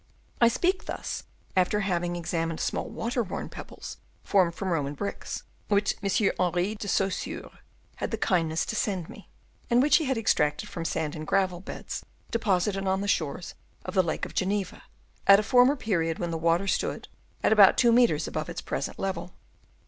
I speak thus after having examined small water worn pebbles, formed from Roman bricks, which M. Henri de Saussure had the kindness to send me, and which he had extracted from sand and gravel beds, deposited on the shores of the Lake of Geneva, at a former period when the water stood at about two metres above its present level.